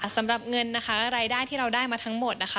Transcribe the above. สำหรับเงินนะคะรายได้ที่เราได้มาทั้งหมดนะคะ